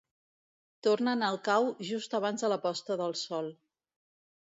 Tornen al cau just abans de la posta del sol.